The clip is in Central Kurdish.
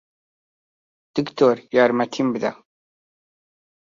دکتۆر، یارمەتیم بدە!